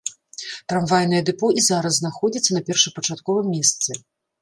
Трамвайнае дэпо і зараз знаходзіцца на першапачатковым месцы.